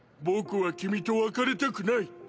僕は君と別れたくない。